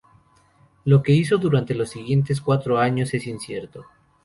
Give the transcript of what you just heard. Lo que hizo durante los siguientes cuatro años es incierto.